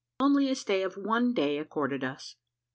ONLY A STAY OF ONE DAY ACCORDED US.